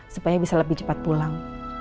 supaya bisa lebih cepat pulang